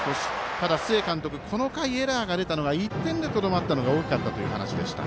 ただ、須江監督この回、エラーが出たのに１点にとどまったのが大きかったということでした。